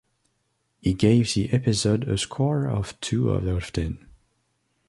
He gave the episode a score of two out of ten.